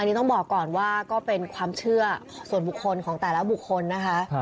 อันนี้ต้องบอกก่อนว่าก็เป็นความเชื่อส่วนบุคคลของแต่ละบุคคลนะคะ